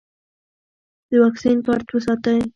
د واکسین کارت وساتئ.